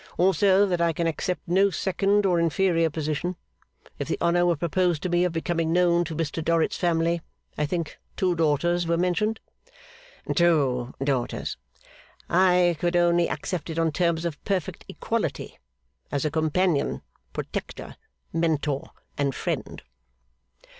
Also that I can accept no second or inferior position. If the honour were proposed to me of becoming known to Mr Dorrit's family I think two daughters were mentioned? ' 'Two daughters.' 'I could only accept it on terms of perfect equality, as a companion, protector, Mentor, and friend.